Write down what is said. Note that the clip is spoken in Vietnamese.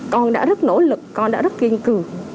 con đã rất nỗ lực con đã rất kiên cường